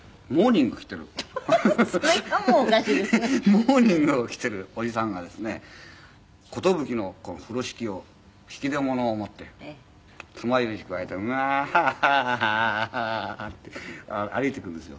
モーニングを着ているおじさんがですね寿の風呂敷を引き出物を持ってつまようじくわえてうわって歩いてくるんですよ。